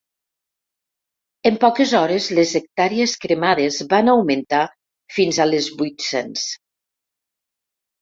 En poques hores les hectàrees cremades van augmentar fins a les vuit-cents.